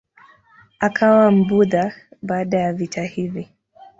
Akawa Mbudha baada ya vita hivi.